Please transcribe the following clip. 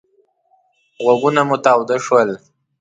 غوږونه مو تاوده شول.